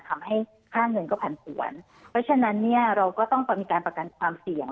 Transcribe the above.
ทำให้ค่าเงินก็ผันผวนเพราะฉะนั้นเนี่ยเราก็ต้องมีการประกันความเสี่ยง